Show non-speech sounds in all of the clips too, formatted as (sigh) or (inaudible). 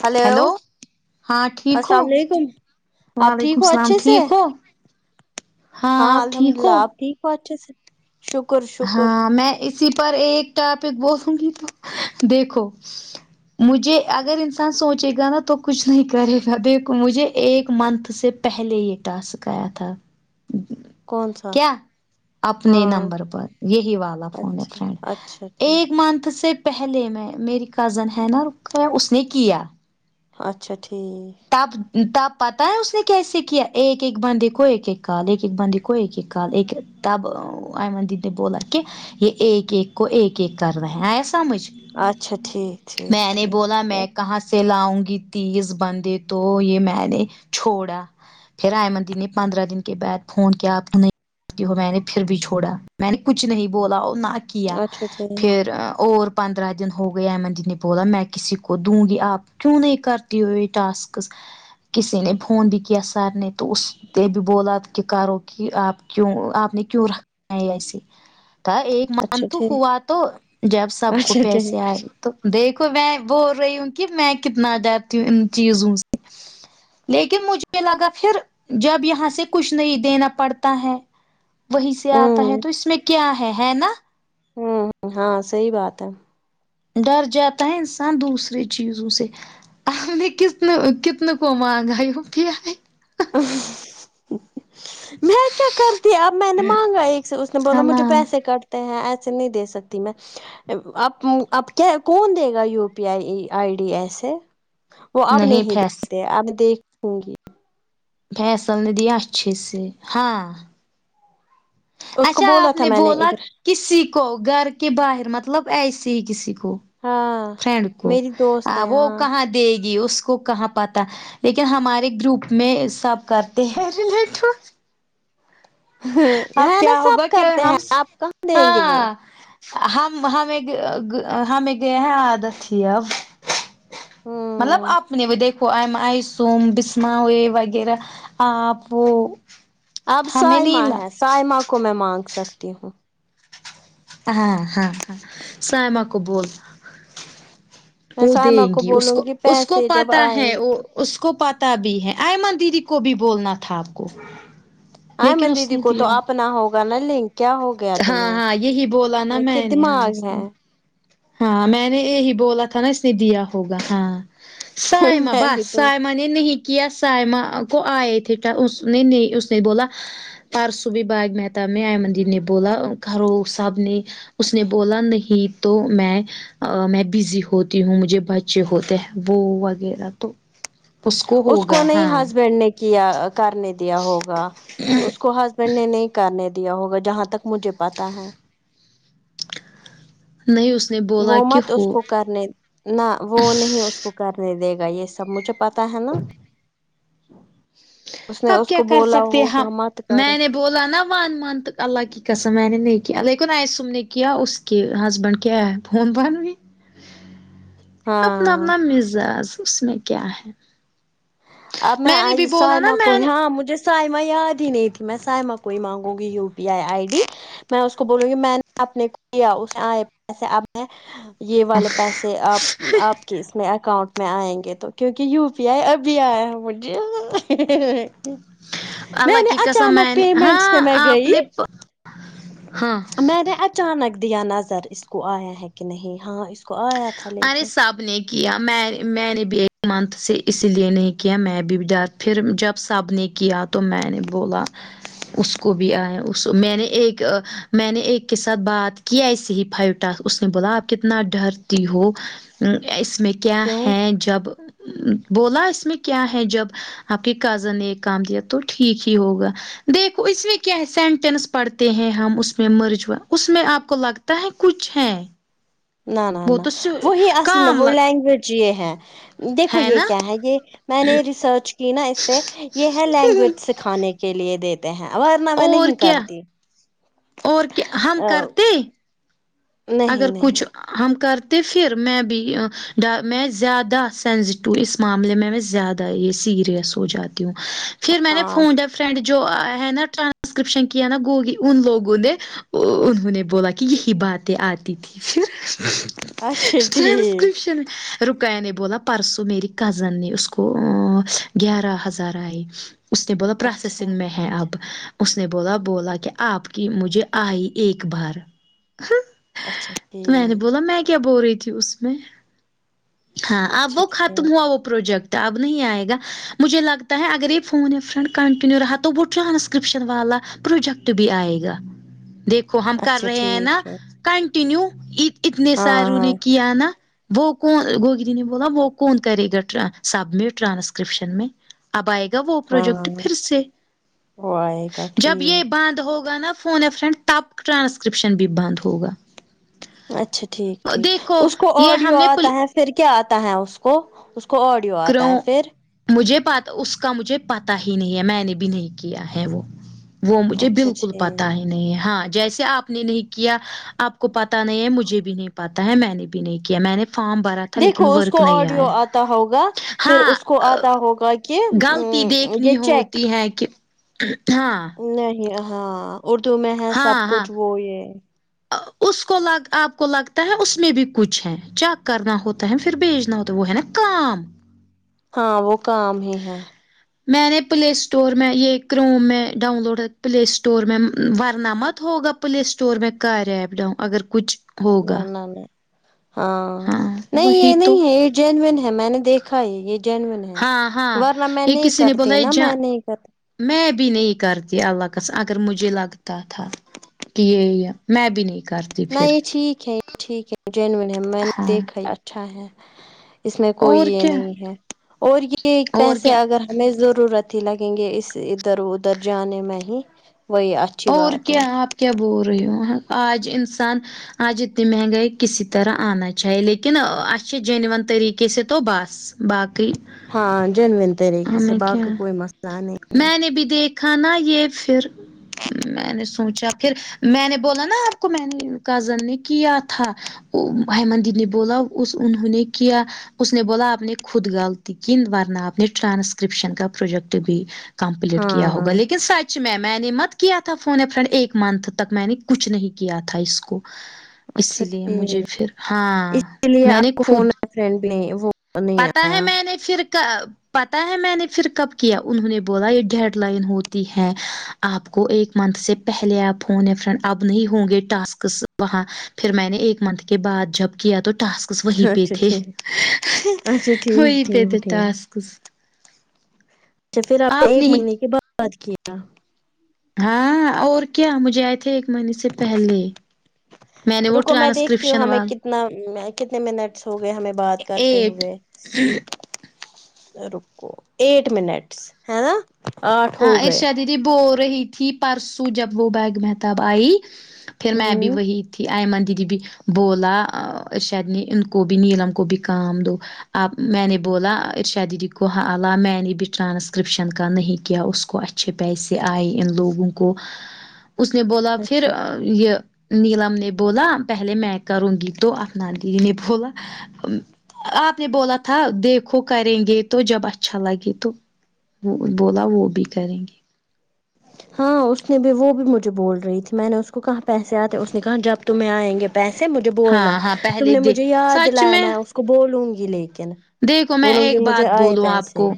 hello ہاں ٹھیک ہو السلام علیکم آپ وعلیکم ٹھیک ہو السلام اچھے سے ٹھیک ہو ہاں آپ الحمد ٹھیک للہ ہو آپ ٹھیک ہو اچھے سے شکر شکر ہاں میں اسی پر ایک ٹاپک بولوں گی تو دیکھو مجھے اگر انسان سوچے گا نا تو کچھ نہیں کرے گا دیکھو مجھے ایک منتھ سے پہلے یہ ٹاسک آیا تھا کون سا کیا اپنے ہاں نمبر پر یہی والا فون ہے اچھا فرینڈ اچھا ٹھیک ایک منتھ سے پہلے میں میری کزن ہے نا رقیہ اس نے کیا اچھا ٹھیک اب تب پتا ہے اس نے کیسے کیا ایک ایک بندی کو ایک ایک کال ایک ایک بندی کو ایک ایک کال ایک تب ائمن دیدی نے بولا کہ یہ ایک ایک کو ایک ایک کر رہے ہے آیا سمجھ اچھا ٹھیک ٹھیک میں نے ٹھیک بولا میں کہاں سے لاؤں گی تیز بندے تو یہ میں نے چھوڑا پھر آئمن دی نے پندرہ دن کے بعد فون کیا اب کہ ہو میں نے پھر بھی چھوڑا میں نے کچھ نہیں بولا نہ کیا اچھا ٹھیک پھر اور پندرہ دن ہو گئے ائمن دی نے بولا میں کسی کو دوں گی آپ کیوں نہیں کرتی ہو یہ ٹاسک کسی نے فون بھی کیا سر نے تو اس نے بھی بولا کہ کرو کہ آپ کیوں آپ نے کیوں رکھا ہے ایسے تھا ایک اچھا منتھ ٹھیک ہوا تو جب سب کو اچھا ٹھیک پیسے آئے تو دیکھو میں بول رہی ہوں کہ میں کتنا جانتی ہوں ان چیزوں سے لیکن مجھے لگا پھر جب یہاں سے کچھ نہیں دینا پڑتا ہے وہیں سے آتا ہے ہوں تو اس میں کیا ہے ہے نا ہمم ہاں صحیح بات ہے ڈر جاتا ہے انسان دوسرے چیزوں سے آپ نے کتنے کتنے کو مانگا یو پی آئ میں کیا کرتی اب میں نے مانگا ایک سے اس نے بولا سالا مجھے پیسے کٹ تے ہیں ایسے نہیں دے سکتی میں آپ آپ کیا کون دے گا U P I I D ایسے وہ اب نہیں دیکھتے اب دیکھوں گی فیصل نے دیا اچھے سے ہاں اس کو اچھا بولا آپ تھا نے میں بولا ابر کسی کو گھر کے باہر مطلب ایسے ہی کسی کو ہاں فرینڈ کو میری دوست آ ہے وہ ہاں کہاں دے گی اس کو کہاں پتا لیکن ہمارے گروپ میں سب کرتے ہیں (unintelligible) اب ہے نا کیا سب ہوگا کہ کرتے ہم ہیں آپ کہاں دیں گے وہ ہاں ہمیں ہمیں ہمیں یہ عادت تھی اب ہمم مطلب اپنے دیکھو ایم آئیسوم بسما وہ یہ وغیرہ آپ اب ہمیں سائمہ نہیں لا ہے سائمہ کو میں مانگ سکتی ہوں ہاں ہاں ہاں سائمہ کو بول میں وہ سائمہ دیں گی اس بولوں کو اس کو پیسے جب پتا ہے آئیں گے وہ اس کو پتہ بھی ہے ایئمن دیدی کو بھی بولنا تھا آپ کو لیکن ایئمن اس دیدی نے کو تو دیا اب نا ہوگا نا لنک کیا ہو گیا ہاں تمہیں ہاں یہی بولا نا کہ میں نے ہاں اس دماغ ہے نے ہاں میں نے یہی بولا تھا نا اس نے دیا ہوگا ہاں سائما میں بھی بس تو سائما نے نہیں کیا سائما کو آئے تھےکیا اس نے نہیں اس نے بولا پارسو بھی باغ مہتا میں مندر میں بولا کرو سب نے اس نے بولا نہیں تو میں میں بزی ہوتی ہوں مجھے بچے ہوتے ہیں وہ وغیرہ تو اس کو نہیں ہسبینڈ نے کیا کرنے دیا ہوگا اس کو ہس بینڈ نے نہیں کرنے دیا ہوگا جہاں تک مجھے پتا ہے نہیں اس نے بولا وہ کہ مت اس ہو کو کرنے نہ وہ نہیں اس کو کرنے دے گا یہ سب مجھے پتا ہے نا اس نے اب اس کیا کو کر بولا سکتے ہم ہوگا مت کر میں نے بولا نہ ون منتھ اللہ کی قسم میں نے نہیں کیا لیکن اسم نے کیا اس کہ ہسبینڈ کیا ہے فون بان بھی اپنا ہاں من مزاج اس میں کیا ہے اب میں نے بھی آی بولا نا سائمہ کو میں ہی نے ہاں مجھے سائمہ یاد ہی نہیں تھی میں سائمہ کوئی مانگوں گی U P I I D میں اس کو بولوں گی میں نے اپنے کو کیا اس اپپ سے پیسے اب یہ والے پیسے کے آپ آپ کے اس میں اکاؤنٹ میں آئیں گے تو کیونکہ یو پی آئی ابھی آیا مجھے میں اللہ نے کی قسم اچانک میں نے پیمنٹس پہ ہاں میں آپ گئی نے ہاں میں نے اچانک دیا نظر اس کو آیا ہے کہ نہیں ہاں اس کو آیا تھا ارے لیکن سب نے کیا میں میں نے بھی ایک منتھ سے اسی لیے نہیں کیا میں بھی ڈر پھر جب سب نے کیا تو میں نے بولا اس کو بھی آیا میں نے ایک میں نے ایک کے ساتھ بات کیا ایسے ہی پھلتا اس نے بولا آپ کتنا ڈر تی ہو اس میں کیا کیوں ہیں جب بولا اس میں کیا ہے جب آپ کے کزن نے ایک کام دیا تو ٹھیک ہی ہوگا دیکھو اس میں کیا سینٹینس پڑھتے ہیں ہم اس میں مرجا اس میں آپ کو لگ تا ہے کچھ ہے نہ نہ وہ نہ تو وہی اصل میں کام وہ لگ لینگویج یہ ہے دیکھو یہ کیا ہے یہ میں نے ریسرچ یہ نہ اس پہ یہ ہے لینگویج سکھانے کے لیے دیتے ہیں ورنہ میں اور نہیں کیا کرتی اور کیا ہم ا، کرتے ہیں نہیں اگر نہیں کچھ ہم کرتے پھر میں بھی میں زیادہ سینسیٹو اس معاملے میں میں زیادہ یہ سیریس ہو جاتی ہوں پھر میں نے ہاں فون جب فرینڈ جو ہے نا ٹرانسکرپشن کی ہے نہ گوگی ان لوگوں نے انہوں نے بولا کہ یہی باتیں آتی تھیں پھر اچھا ٹھیک ٹرانسکرپشن رقیہ کے نے بولا پرسوں میری کزن نے اس کو گیارہ ہزار آئے اس نے بولا اچھا پروسیسنگ میں ہے اب اس نے بولا بولا کہ آپ کی مجھے آئی ایک بار اچھا ٹھ تو میں نے بولا میں کیا بول رہی تھی اس میں ہاں اب اچھا وہ ختم ٹھیک ہوا وہ پروجیکٹ اب نہیں آئے گا مجھے لگتا ہے اگر یہ فون یا فرینڈ کنٹینیو رہا تو وہ ٹرانسکرپشن والا پروجیکٹ تبھی آئے گا دیکھ کو ہم کر اچھا رہے ہیں نہ ٹھیک ہے کنٹینیو اتنے ساروں نے ہاں کیا نہ وہ کون گو گرین نے بولا وہ کون کرے گا سبمٹ ٹرانسکرپشن میں اب آئے گا وہ ہاں پروجیکٹ ہاں پھر سے وہ آئے گا جب ٹھیک یہ باندھ ہوگا نہ فون آ فرینڈ تب ٹرانسکرپشن بھی بند ہوگا اچھا ٹھیک ٹھیک دیکھو اس کو یہ آڈیو ہم نے آتا ہے پھر کیا آتا ہے اس کو اس کو آڈیو آتا ہے کروں پھر مجھے پ اس کا مجھے پتا ہی نہیں ہے میں نے بھی نہیں کیا ہے وہ وہ مجھے اچھا بالکل پتہ ٹھیک ہے نہیں ہاں جیس آپ نے نہیں کیا آپ کو پتا نہیں ہے مجھے بھی نہیں پتا ہے میں نے بھی نہیں کیا میں نے فارم بھرا تھا لیکن دیکھو اس ورک کو نہیں آڈیو آیا آتا ہوگا پھر ہاں اس کو آتا ہوگا کہ غلطی ا یہ چیک ہے کہ تھا نہیں ہاں اردو میں ہے سب ہاں ہاں کچھ وہ یہ اس کو آپ کو لگتا ہے اس میں بھی کچھ ہے چیک کرنا ہوتا ہے پھر بھیجنا ہوتا ہے وہ ہے نا کام ہاں وہ کام ہی ہے میں نے پلے اسٹور میں یہ کروم میں ڈاؤن لوڈ پلے اسٹور میں ورنہ مت ہوگا پلے اسٹور میں کر ایپ ڈاؤ اگر کچھ نہ ہوگا نہ نہ ہاں نہیں وہی یہ تو نہیں ہے جینوون ہے میں نے دیکھا ہے یہ جینوون ہے ہاں ہاں ورنہ میں یہ نہیں کسی نے بولا کرتی یہ نا جا میں نہیں کرتی میں بھی نہیں کرتی اللہ کاس اگر مجھے لگتا تھا کہ یہ ہے میں بھی نہیں کر نہ یہ ٹھیک ہے یہ ٹھیک ہے جینون ہے میں نے ہاں دیکھا اچھا ہے اس میں کوئی اور یہ کیا نہیں ہے اور یہ اور پیسے کیا اگر ہمیں ضرورت ہی لگیں گے اس ادھر ادھر جانے میں ہی وہی اچھی اور بات ہے کیا آپ کیا بول رہے ہو آج انسان آج اتنی مہنگائی کسی طرح آنا چاہیے لیکن آس چ جنون طریقے سے تو بس باقی ہاں جنون طریقے سے ہمیں باقی کیا کوئی مسئلہ نہیں ہے میں نے بھی دیکھا نا یہ پھر میں نے سوچا پھر میں نے بولا نا آپ کو میں نے کزن نے کیا تھا ہیمدین نے بولا اس انہوں نے کیا اس نے بولا آپ نے خود غلطی کی ورنہ آپ نے ٹرانسکرپشن کا پروجیکٹ بھی کمپلیٹ کیا ہوگا ہاں لیکن سچ میں میں نے مت کیا تھا فون فرینڈ ایک منتھ تک میں نے کچھ نہیں کیا تھا اس کو اچھا اسی لیے مجھے ٹھیک پھر ہاں اسی لیے میں نے آپ کو خود فون فرینڈ بھی وہ نہیں پتا ہے آیا میں نے پھر کا پتا ہے میں نے پھر کب کیا انہوں نے بولا یہ ڈیڈ لائن ہوتی ہے آپ کو ایک منتھ سے پہلے آپ فون فرینڈ اب نہیں ہوں گے ٹاسکس وہاں پھر میں نے ایک منتھ کے بعد جب کیا تو ٹاسکس وہیں پہ اچھا تھے ٹھیک اچھا ہو ٹھیک پید ٹھیک ٹھیک ٹاسکس اچھا پھر آپ نے ایک مہینے کے بعد کیا ہاں اور کیا مجھے آئے تھے ایک مہینے سے پہلے میں نے وہ رکو میں دیکھتی ہوں ٹرانسکرپشن ہمیں وال کتنا کتنے منٹس ہو گئے ہمیں بات کرتے ایٹ ہوئے رکو ایٹ منٹس ہے نا آٹھ ہو ہاں گئے ارشا دیدی بول رہی تھی پرسو جب وہ بیگ میں تب آئی پھر میں بھی ہوں وہی تھی آئمن دیدی بھی بولا شاید نے ان کو بھی نیلم کو بھی کام دو اب میں نے بولا ارشاد دیدی کو ہاں اللہ میں نے بھی ٹرانسکرپشن کا نہیں کیا اس کو اچھے پیسے آئے ان لوگوں کو اس نے بولا پھر اچھا یہ نیلم نے بولا پہلے میں کروں گی تو اپفنا دیدی نے بولا آپ نے بولا تھا دیکھو کریں گے تو جب اچھا لگے تو وہ بولا وہ بھی کریں گے (inaudible) ہاں اس نے بھی وہ بھی مجھے بول رہی تھی میں نے اس کو کہاں پیسے آتے اس نے کہا جب تمہیں آئیں گے پیسے مجھے بولنا ہاں ہاں تم پہلے نے مجھے د یاد سچ دلایا میں اس کو بولوں گی لیکن دیکھو میں بولوں گی ایک مجھے بات آئے بولوں آپ پیسے کو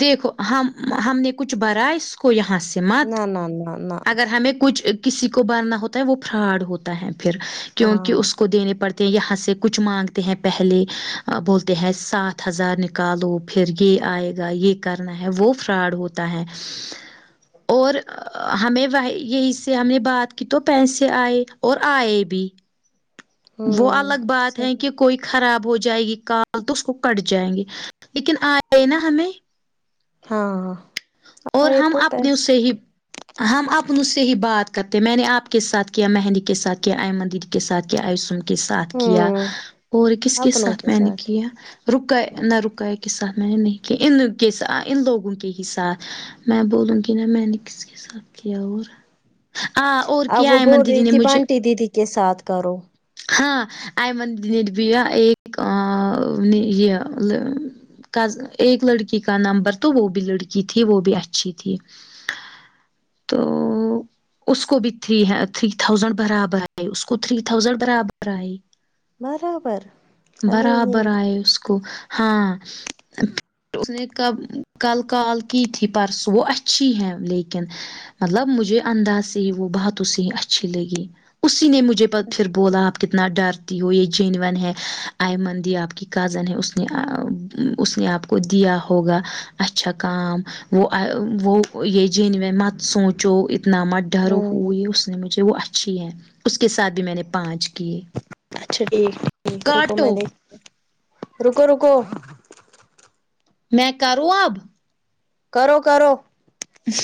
دیکھو ہم ہم نے کچھ برا اس کو یہاں سے مت نہ نہ نہ نہ اگر ہمیں کچھ کسی کو برنا ہوتا ہے وہ فراڈ ہوتا ہے پھر کی ہاں اس کو دینے پڑتے ہیں یہاں سے کچھ مانگتے ہیں پہلے بولتے ہیں ساتھ ہزار نکالو پھر یہ آئے گا یہ کرنا ہے وہ فراڈ ہوتا ہے (inaudible) اور ہمیں وہ یہی سے ہم نے بات کی تو پیسے آئے اور آئے بھی وہ ہوں الگ بات ہے کہ صحیح کوئی خراب ہو جائے گی کال تو اس کو کٹ جائیں گے لیکن آئے نا ہمیں ہاں اور یہ ہم تو اپنے اس سے پیسے ہی ہم اپنوں سے ہی بات کرتے ہیں میں نے آپ کے ساتھ کیا مہندی کے ساتھ کیا آئمن دیدی کے ساتھ کیا آوس کے ساتھ کیا ہوں اور کس کے ساتھ میں نے کیا رکا نہ رکائے کے ساتھ میں نے نہیں کہ ان کے ان لوگوں کے ہی ساتھ میں بولوں گی نا میں نے کس کے ساتھ کیا اور آ اور اب کیا وہ بول ایمن دیدی رہی نے تھی مجھے بانٹی دیدی کے ساتھ کرو ہاں آئیمن بیا ایک یہ ایک لڑکی کا نمبر تو وہ بھی لڑکی تھی وہ بھی اچھی تھی تو اس کو بھی تھ تھری تھازینڈ برابر آئی اس کو تھری تھاؤزینڈ برابر آئی برابر اللہ برابر یہ آئے اس کو ہاں اس نے کب کل کال کی تھی پرس وہ اچھی ہے لیکن مطلب مجھے انداز سے ہی وہ بات اسی اچھی لگی اسی نے مجھے پ پھر اچھا بولا آپ کتنا ڈرتی ہو یہ جینون ہے آئیمن دی آپ کی کزن ہے اس نے اس نے آپ اسکو دیا ہوگا اچھا کا وہ وہ یہ جن میں مت سوچو اتنا مت ڈرو ہوئی اس نے مجھے وہ اچھی ہے اس کے ساتھ بھی میں نے پانچ کیے اچھا ٹھیک یک رکو کاٹو میں دیکھ رکو رکو میں کرو اب کرو کرو اہم